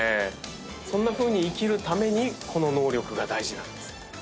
そんなふうに生きるためにこの能力が大事なんです。